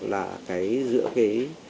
là cái giữa cái